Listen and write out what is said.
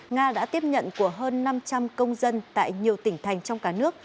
nga đã tiếp nhận của hơn năm trăm linh công dân tại nhiều tỉnh thành trong cả nước